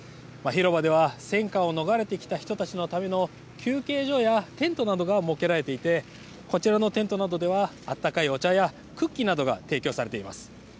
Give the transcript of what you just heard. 広場では戦火を逃れてきた人たちのための休憩所やテントなどが設けられていてこちらのテントなどではあったかいお茶やクッキーなどが提供されています。